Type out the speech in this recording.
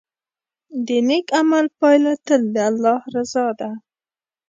د نیک عمل پایله تل د الله رضا ده.